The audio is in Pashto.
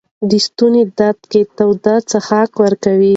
د ستوني درد کې تودې څښاک ورکړئ.